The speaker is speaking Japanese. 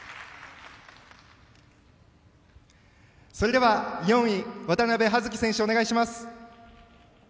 それでは、４位渡部葉月選手、お願いします。